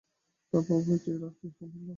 তা পাবে বৈকি, রাত কি কম হল!